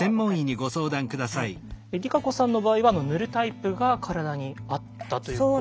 ＲＩＫＡＣＯさんの場合は塗るタイプが体に合ったということ。